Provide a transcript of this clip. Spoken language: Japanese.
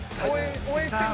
応援してね。